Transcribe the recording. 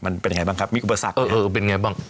มันเป็นยังไงบ้างครับมีอุปสรรคไหม